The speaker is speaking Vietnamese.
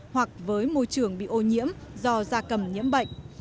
hoặc với môi trường bị ô nhiễm do da cầm nhiễm bệnh